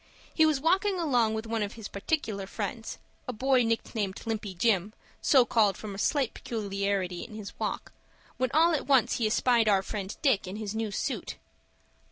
He was walking along with one of his particular friends, a boy nicknamed Limpy Jim, so called from a slight peculiarity in his walk, when all at once he espied our friend Dick in his new suit.